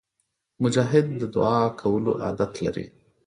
مجاهد د دعا کولو عادت لري.